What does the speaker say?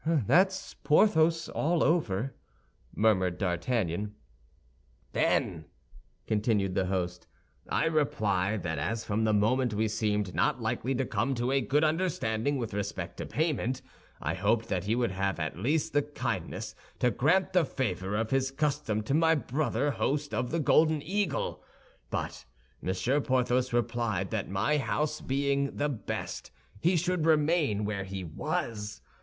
"That's Porthos all over," murmured D'Artagnan. "Then," continued the host, "I replied that as from the moment we seemed not likely to come to a good understanding with respect to payment, I hoped that he would have at least the kindness to grant the favor of his custom to my brother host of the Golden Eagle; but Monsieur Porthos replied that, my house being the best, he should remain where he was.